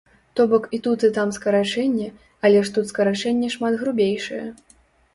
То бок і тут і там скарачэнне, але ж тут скарачэнне шмат грубейшае.